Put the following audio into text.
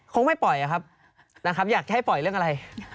คงไม่ปล่อยครับนะครับอยากจะให้ปล่อยเรื่องอะไร